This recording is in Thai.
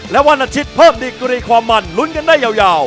และวันอาทิตย์เพิ่มดีกรีความมันลุ้นกันได้ยาว